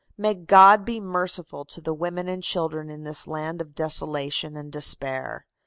"May God be merciful to the women and children in this land of desolation and despair!"